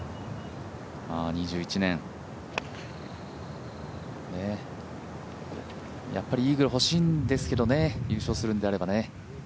２１年、やっぱりイーグルほしいんですけどね、優勝するんであればね。